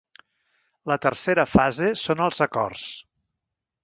La tercera fase són els acords.